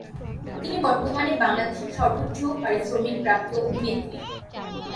তিনি বর্তমানে বাংলাদেশের সর্বোচ্চ পারিশ্রমিক প্রাপ্ত অভিনেত্রী।